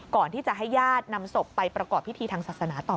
ก่อนที่จะให้ญาตินำศพไปประกอบพิธีทางศาสนาต่อ